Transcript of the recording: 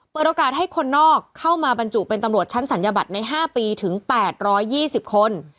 เปิดโอกาสให้คนนอกเข้ามาบรรจุเป็นตำรวจชั้นศัลยบัตรใน๕ปีถึง๘๒๐คน